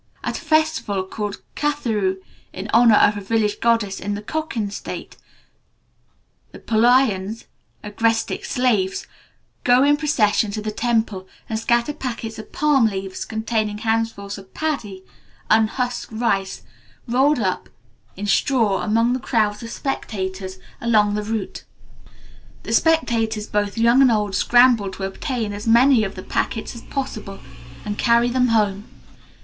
At a festival called Kathiru in honour of a village goddess in the Cochin State, the Pulayans (agrestic slaves) go in procession to the temple, and scatter packets of palm leaves containing handfuls of paddy (unhusked rice) rolled up in straw among the crowds of spectators along the route. "The spectators, both young and old, scramble to obtain as many of the packets as possible, and carry them home.